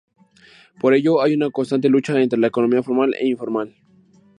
Por ello, hay una constante lucha entre la economía formal e informal.